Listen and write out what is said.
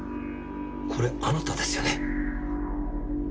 これあなたですよね？